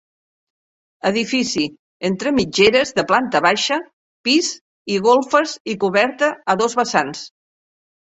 Edifici entre mitgeres de planta baixa, pis i golfes i coberta a dos vessants.